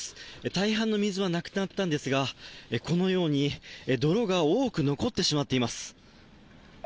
大半の水はなくなったんですがこのように泥が多く残ってしまっています。